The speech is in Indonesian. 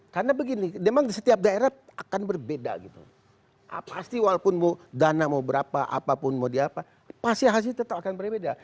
karena begini memang di setiap daerah akan berbeda gitu pasti walaupun mau dana mau berapa apapun mau diapa pasti hasilnya tetap akan berbeda